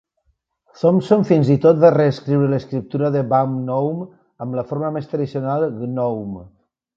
Thompson fins i tot va reescriure l'escriptura de Baum "Nome" amb la forma més tradicional "Gnome"